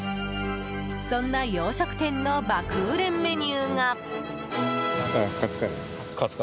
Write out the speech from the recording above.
そんな洋食店の爆売れメニューが。